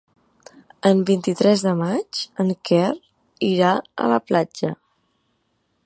El vint-i-tres de maig en Quer irà a la platja.